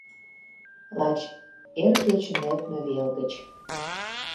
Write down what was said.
Лач эр кече нöлтмö вел гыч